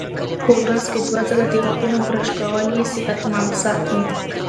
په ورځ کې دوه ځله د غاښونو برش کول یې صحتمند ساتي.